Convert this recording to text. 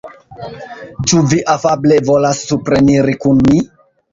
Ĉu vi afable volas supreniri kun mi?